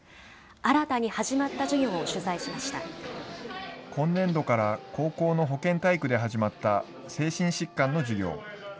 新たに始まった授業を取材しまし今年度から高校の保健体育で始まった精神疾患の授業。